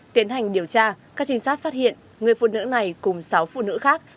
tiến hành điều tra các trinh sát phát hiện người phụ nữ này cùng sáu phụ nữ khác